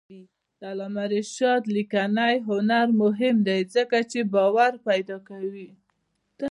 د علامه رشاد لیکنی هنر مهم دی ځکه چې باور پیدا کوي.